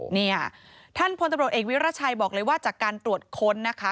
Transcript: เนี่ยท่านพลตำรวจเอกวิรัชัยบอกเลยว่าจากการตรวจค้นนะคะ